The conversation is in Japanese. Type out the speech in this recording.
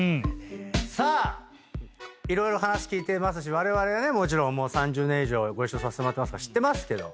さあ色々話聞いていますしわれわれねもちろん３０年以上ご一緒させてもらってますから知ってますけど。